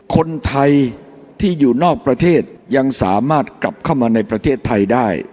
คนไทยที่อยู่นอกประเทศยังสามารถกลับเข้ามาในประเทศไทยได้